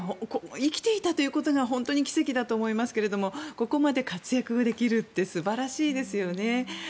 生きていたということが本当に奇跡だと思いますがここまで活躍ができるって素晴らしいですよね。